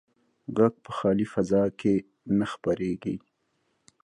غږ په خالي فضا کې نه خپرېږي.